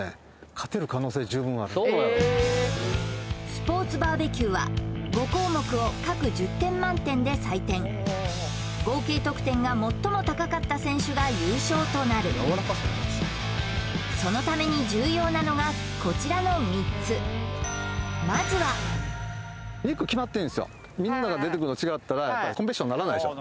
スポーツバーベキューは５項目を各１０点満点で採点合計得点が最も高かった選手が優勝となるそのために重要なのがこちらの３つまずはみんなが出てくるの違ったらコンペティションにならないでしょ